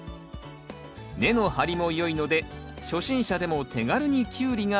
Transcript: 根の張りもよいので初心者でも手軽にキュウリが育てられます。